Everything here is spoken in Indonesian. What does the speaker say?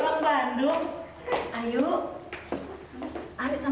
bagaimana kabar di bandung